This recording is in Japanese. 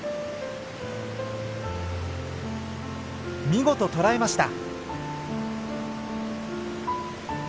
見事捕らえました。